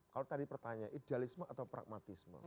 kalau tadi pertanyaan idealisme atau pragmatisme